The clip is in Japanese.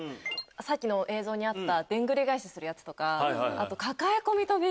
さっきの映像にあったでんぐり返しするやつとか。